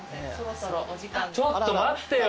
ちょっと待ってよ。